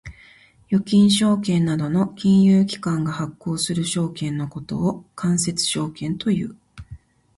預金証券などの金融機関が発行する証券のことを間接証券という。